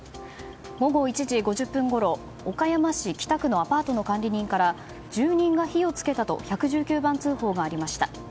午後１時５０分ごろ岡山市北区のアパートの管理人から住人が火を付けたと１１９番通報がありました。